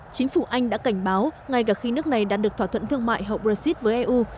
chính phủ anh đã cảnh báo ngay cả khi nước này đạt được thỏa thuận thương mại hậu brexit với eu